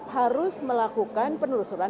harus melakukan penelusuran